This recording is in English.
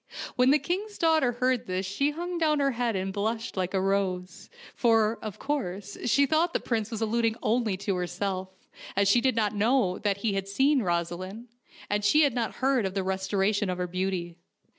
When the king's daughter heard this she hung down her head and blushed like a rose, for, of course, she thought the prince was alluding only to herself, as she did not know that he had seen Rosaleen, and she had not heard of the restora tion of her beauty.